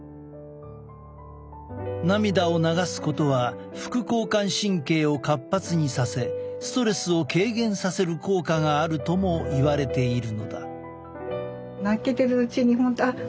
涙を流すことは副交感神経を活発にさせストレスを軽減させる効果があるともいわれているのだ。